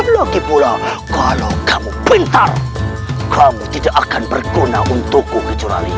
lagipula kalau kamu pintar kamu tidak akan berguna untukku kicurraling